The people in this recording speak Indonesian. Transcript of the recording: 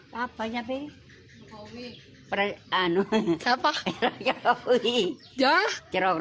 bapak presiden pilih nomor yang sama